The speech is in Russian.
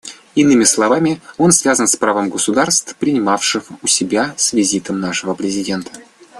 Иными словами, он связан с правом государств, принимавших у себя с визитом нашего президента.